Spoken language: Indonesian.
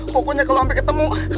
pokoknya kalo sampe ketemu